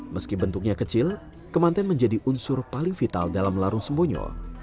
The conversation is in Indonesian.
meski bentuknya kecil kemanten menjadi unsur paling vital dalam larung sembonyo